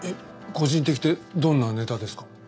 個人的ってどんなネタですか？